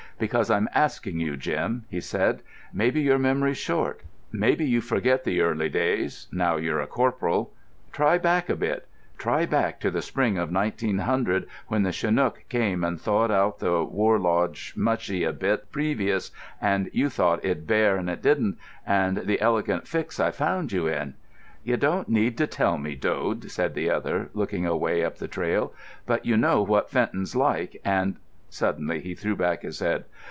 "Because I'm asking you, Jim," he said. "Maybe your memory's short; maybe you forget the early days now you're a corporal. Try back a bit—try back to the spring of 1900, when the chinook came and thawed out the Warlodge mushy a bit previous, and you thought it'd bear and it didn't; and the elegant fix I found you in——" "You don't need to tell me, Dode," said the other, looking away up the trail. "But you know what Fenton's like, and——" Suddenly he threw back his head.